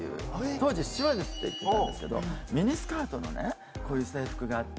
当時スチュワーデスって言ってたんですけどミニスカートのこういう制服があって。